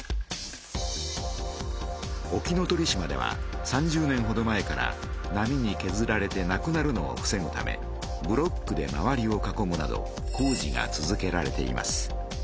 沖ノ鳥島では３０年ほど前から波にけずられて無くなるのをふせぐためブロックで周りを囲むなど工事が続けられています。